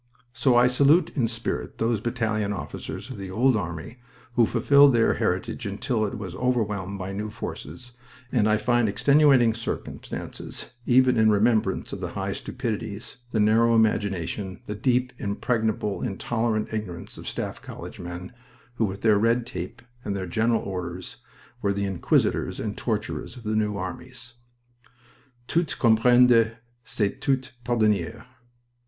So I salute in spirit those battalion officers of the Old Army who fulfilled their heritage until it was overwhelmed by new forces, and I find extenuating circumstances even in remembrance of the high stupidities, the narrow imagination, the deep, impregnable, intolerant ignorance of Staff College men who with their red tape and their general orders were the inquisitors and torturers of the new armies. Tout comprendre c'est tout pardonner.